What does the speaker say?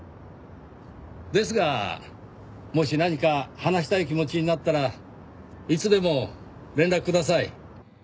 ですがもし何か話したい気持ちになったらいつでも連絡ください。